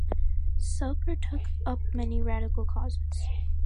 Soper took up many radical causes.